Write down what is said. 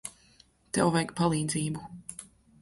Tev vajag palīdzību.